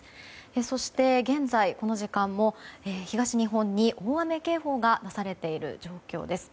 そして現在、この時間も東日本に大雨警報が出されている状況です。